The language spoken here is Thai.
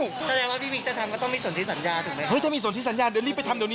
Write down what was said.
แสดงว่าพี่มิ๊กจะทำก็ต้องมีส่วนที่สัญญาถูกไหมครับ